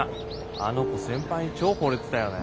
あの子先輩に超ほれてたよね。